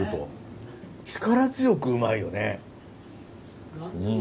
力強くうまいよねうん。